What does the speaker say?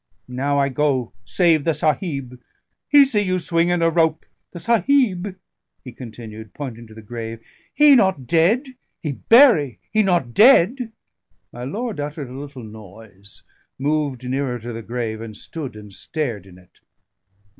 Now I go save the Sahib; he see you swing in a rope. The Sahib," he continued, pointing to the grave, "he not dead. He bury, he not dead." My lord uttered a little noise, moved nearer to the grave, and stood and stared in it.